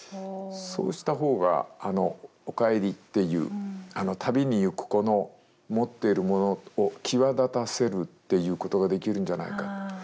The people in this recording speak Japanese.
そうした方があのおかえりっていう旅に行く子の持っているものを際立たせるっていうことができるんじゃないか。